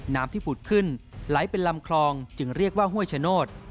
น้ำที่ผุดขึ้นไหลเป็นลำคลองจึงเรียกว่าห้วยชโนธ